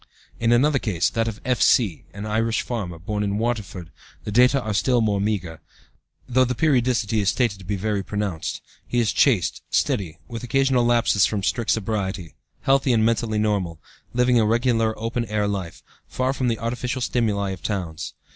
In another case, that of F.C., an Irish farmer, born in Waterford, the data are still more meagre, though the periodicity is stated to be very pronounced. He is chaste, steady, with occasional lapses from strict sobriety, healthy and mentally normal, living a regular open air life, far from the artificial stimuli of towns.